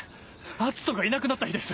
篤斗がいなくなった日です